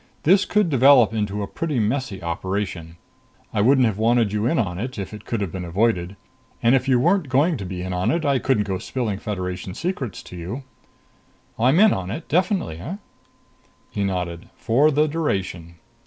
This could develop into a pretty messy operation. I wouldn't have wanted you in on it, if it could have been avoided. And if you weren't going to be in on it, I couldn't go spilling Federation secrets to you." "I'm in on it, definitely, eh?" He nodded. "For the duration."